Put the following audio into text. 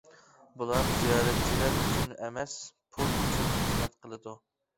بۇلار زىيارەتچىلەر ئۈچۈن ئەمەس پۇل ئۈچۈن خىزمەت قىلىدۇ.